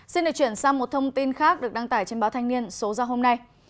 xin được chuyển sang một thông tin khác được đăng tải trên báo thanh niên số ra hôm nay